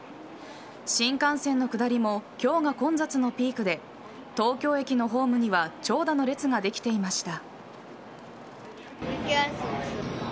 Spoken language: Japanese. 新幹線の下りも今日が混雑のピークで東京駅のホームには長蛇の列ができていました。